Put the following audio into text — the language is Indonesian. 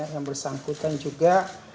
yang bersangkutan juga